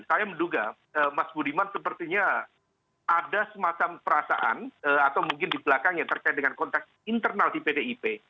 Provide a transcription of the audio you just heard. saya menduga mas budiman sepertinya ada semacam perasaan atau mungkin di belakangnya terkait dengan konteks internal di pdip